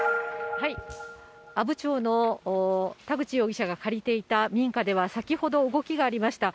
阿武町の田口容疑者が借りていた民家では、先ほど動きがありました。